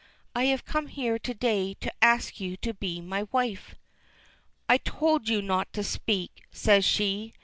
I have come here to day to ask you to be my wife." "I told you not to speak," says she.